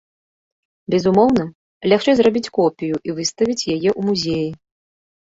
Безумоўна, лягчэй зрабіць копію і выставіць яе ў музеі.